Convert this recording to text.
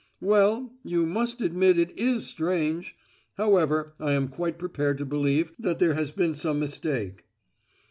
"Well, you must admit it is strange! However, I am quite prepared to believe that there has been some mistake."